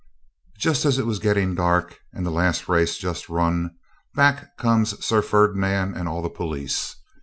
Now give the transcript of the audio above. Just as it was getting dark, and the last race just run, back comes Sir Ferdinand and all the police.